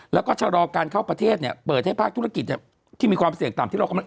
แล้วก็ชะลอการเข้าประเทศเปิดให้ภาคธุรกิจที่มีความเสี่ยงต่ำ